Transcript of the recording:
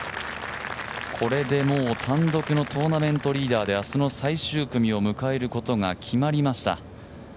これでもう、単独のトーナメントリーダーで明日の最終組を迎えることが決まりました。